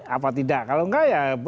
apa tidak kalau enggak ya